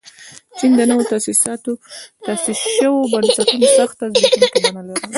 د چین نویو تاسیس شویو بنسټونو سخته زبېښونکې بڼه لرله.